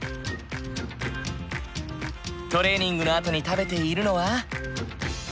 トレーニングのあとに食べているのは。